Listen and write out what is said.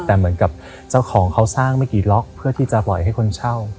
แต่เหมือนกับเจ้าของเขาสร้างไม่กี่ล็อกเพื่อที่จะปล่อยให้คนเช่า